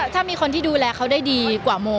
ถ้ามีคนที่ดูแลเขาได้ดีกว่าโม